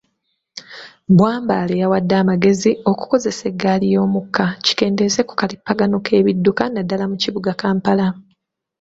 Bwambale yawadde amagezi okukozesa eggaali y'omukka kikendeeze ku kalippagano k'ebidduka naddala mu kibuga Kampala.